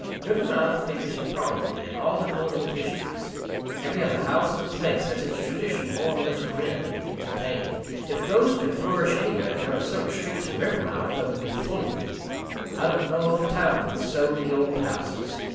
Rivermouth figures prominently in all the colonial histories. Every other house in the place has its tradition more or less grim and entertaining. If ghosts could flourish anywhere, there are certain streets in Rivermouth that would be full of them. I don't know of a town with so many old houses.